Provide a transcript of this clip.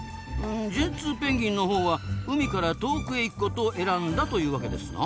ジェンツーペンギンのほうは海から遠くへ行くことを選んだというわけですな。